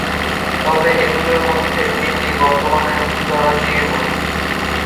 তবে এগুলির মধ্যে তিনটি বর্তমানে জরাজীর্ণ।